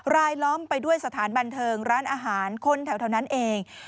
ล้อมไปด้วยสถานบันเทิงร้านอาหารคนแถวนั้นเอง